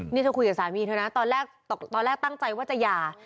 นี่เธอคุยกับสามีเธอนะตอนแรกตั้งใจว่าจะหย่า